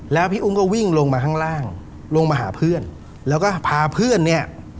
แล้วพี่อุ้งก็วิ่งลงมาข้างล่างลงมาหาเพื่อนแล้วก็พาเพื่อนเนี่ย